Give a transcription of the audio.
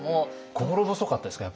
心細かったですか？